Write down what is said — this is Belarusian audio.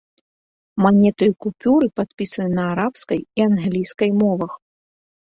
Манеты і купюры падпісаны на арабскай і англійскай мовах.